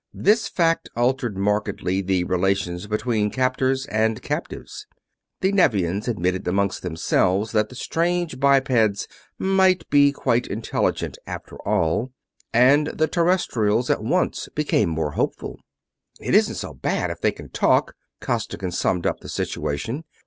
This fact altered markedly the relations between captors and captives. The Nevians admitted among themselves that the strange bipeds might be quite intelligent, after all; and the Terrestrials at once became more hopeful. "It isn't so bad, if they can talk," Costigan summed up the situation.